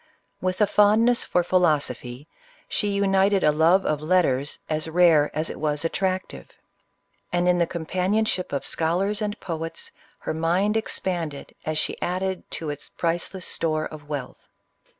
With a fondness for philosophy, she united a love of letters ns rare as it was attractive ; and in the companionship of scholars and poets, her mind expanded as she added 16 CLEOPATRA. to its priceless stores of wealth.